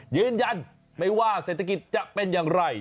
ยืนยันไม่ว่าเศรษฐกิจจะเป็นอย่างไร